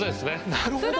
なるほど！